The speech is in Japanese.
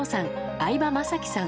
相葉雅紀さん